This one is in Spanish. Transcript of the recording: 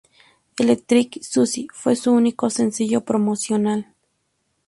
Electric Suzy fue su único sencillo promocional.